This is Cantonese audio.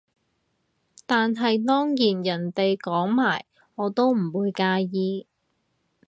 但係當然人哋講埋我都唔會介意